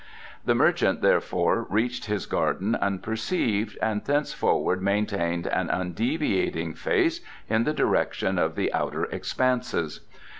The merchant therefore reached his garden unperceived and thenceforward maintained an undeviating face in the direction of the Outer Expanses.